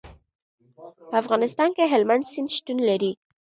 په افغانستان کې هلمند سیند شتون لري.